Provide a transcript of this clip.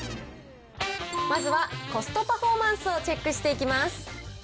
まずは、コストパフォーマンスをチェックしていきます。